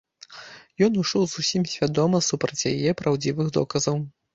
Ён ішоў зусім свядома супроць яе праўдзівых доказаў.